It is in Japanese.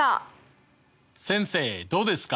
先生どうですか？